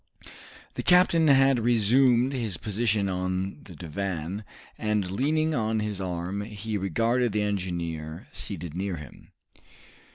The captain had resumed his position on the divan, and leaning on his arm, he regarded the engineer, seated near him.